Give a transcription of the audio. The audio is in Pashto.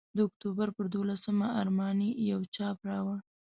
د اکتوبر پر دوولسمه ارماني یو چاپ راوړ.